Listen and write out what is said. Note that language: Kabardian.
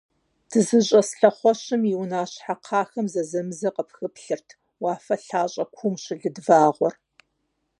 ДызыщӀэс лъэхъуэщым и унащхьэ кхъахэм зэзэмызэ къыпхыплъырт уафэ лъащӀэ куум щылыд вагъуэр.